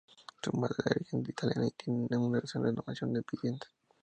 Su madre es de origen italiano y tiene un negocio de renovación de viviendas.